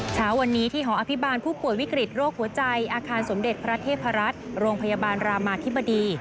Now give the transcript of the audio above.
เช้าวันนี้ที่หออภิบาลผู้ป่วยวิกฤตโรคหัวใจอาคารสมเด็จพระเทพรัฐโรงพยาบาลรามาธิบดี